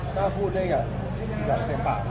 กล้าพูดได้อย่างเศรษฐ์ปาก